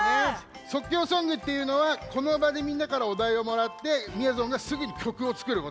そっきょうソングっていうのはこのばでみんなからおだいをもらってみやぞんがすぐにきょくをつくることだからね。